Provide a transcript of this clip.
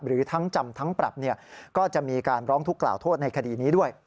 หรือทั้งจำทั้งปรับก็จะมีการร้องทุกข์กล่าวโทษในคดีนี้ด้วย